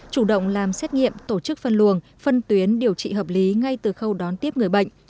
chủ động làm xét nghiệm tổ chức phân luồng phân tuyến điều trị hợp lý ngay từ khâu đón tiếp người bệnh